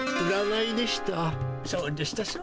占いでした。